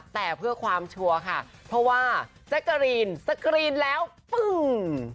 แต่เพื่อความชัวร์ค่ะเพราะว่าแจ๊กกะรีนสกรีนแล้วปึ้ง